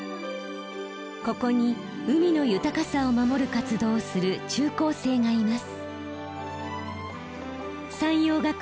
ここに海の豊かさを守る活動をする中高生がいます。